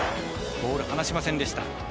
ボール離しませんでした。